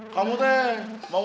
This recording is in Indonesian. sampai jumpa lagi